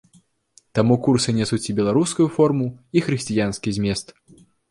Таму курсы нясуць і беларускую форму і хрысціянскі змест.